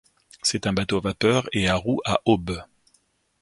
C'est un bateau à vapeur et à roues à aubes.